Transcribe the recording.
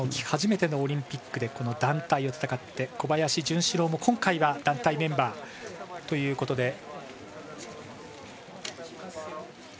初めてのオリンピックで団体を戦って、小林潤志郎も今回は団体メンバーということで。